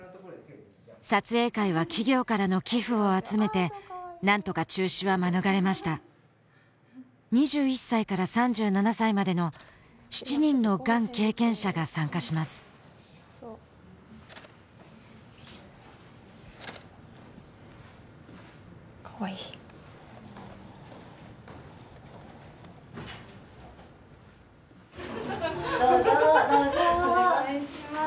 撮影会は企業からの寄付を集めて何とか中止は免れました２１歳から３７歳までの７人のがん経験者が参加しますかわいい・どうぞどうぞお願いします